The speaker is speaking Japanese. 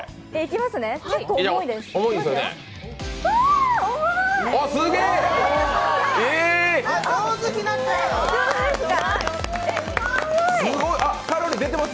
結構重いです。